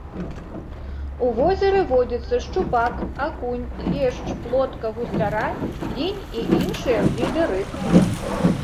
У возеры водзяцца шчупак, акунь, лешч, плотка, гусцяра, лінь і іншыя віды рыб.